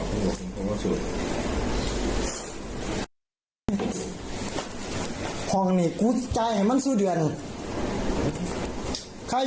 กูก็ให้หน่อยใจมึงสิเชียวว่ะ